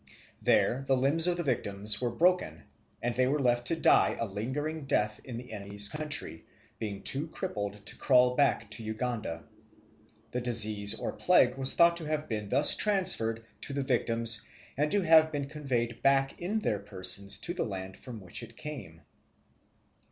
There the limbs of the victims were broken and they were left to die a lingering death in the enemy's country, being too crippled to crawl back to Uganda. The disease or plague was thought to have been thus transferred to the victims and to have been conveyed back in their persons to the land from which it came.